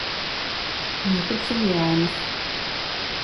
Nopirksim jaunas.